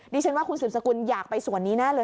ดิฉันว่าคุณสืบสกุลอยากไปส่วนนี้แน่เลย